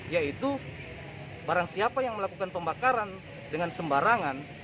yaitu barang siapa yang melakukan pembakaran dengan sembarangan